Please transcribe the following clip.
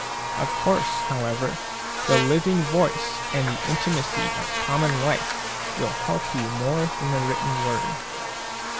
Of course, however, the living voice and the intimacy of a common life will help you more than the written word.